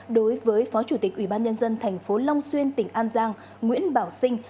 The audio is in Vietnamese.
đối với phó chủ tịch ủy ban nhân dân tp long xuyên tỉnh an giang nguyễn bảo sinh